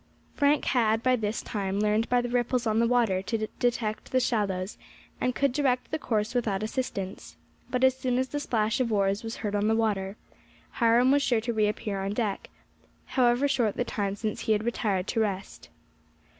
Frank had by this time learned by the ripples on the water to detect the shallows, and could direct the course without assistance; but as soon as the splash of oars was heard on the water, Hiram was sure to appear on deck, however short the time since he had retired to rest.